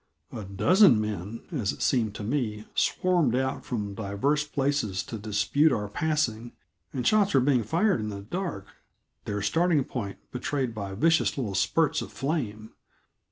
A dozen men, as it seemed to me, swarmed out from divers places to dispute our passing, and shots were being fired in the dark, their starting point betrayed by vicious little spurts of flame.